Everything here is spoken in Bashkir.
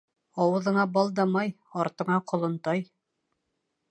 Ауыҙыңа бал да май, артыңа ҡолон-тай.